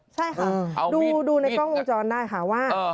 ใช่ค่ะดูในกล้องวงจรได้ค่ะว่า